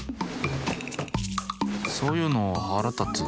そういうのはらたつ。